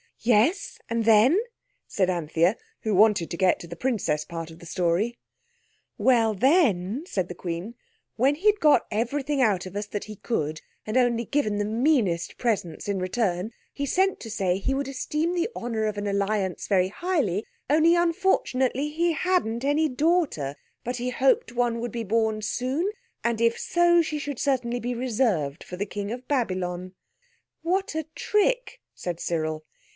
"Yes, and then?" said Anthea, who wanted to get to the princess part of the story. "Well, then," said the Queen, "when he'd got everything out of us that he could, and only given the meanest presents in return, he sent to say he would esteem the honour of an alliance very highly, only unfortunately he hadn't any daughter, but he hoped one would be born soon, and if so, she should certainly be reserved for the King of Babylon!" "What a trick!" said Cyril.